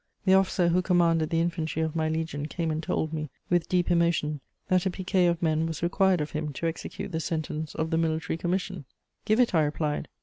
The officer who commanded the infantry of my legion came and told me, with deep emotion, that a piquet of men was required of him to execute the sentence of the military commission: "'Give it,' I replied.